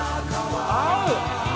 合う。